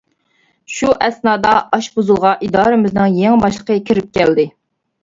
شۇ ئەسنادا ئاشپۇزۇلغا ئىدارىمىزنىڭ يېڭى باشلىقى كىرىپ كەلدى.